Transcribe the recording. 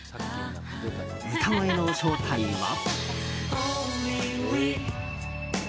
歌声の正体は。